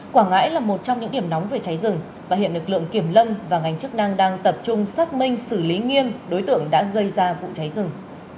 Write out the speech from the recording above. quảng ngãi là một trong những điểm nóng về cháy rừng và hiện lực lượng kiểm lâm và ngành chức năng đang tập trung xác minh xử lý nghiêm đối tượng đã gây ra vụ cháy rừng